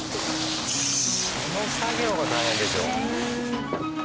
この作業が大変でしょ。